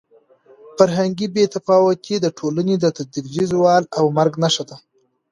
فرهنګي بې تفاوتي د ټولنې د تدریجي زوال او مرګ نښه ده.